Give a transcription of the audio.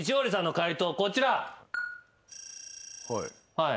はい。